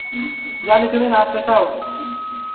জানি, তুমি নাচতে চাও।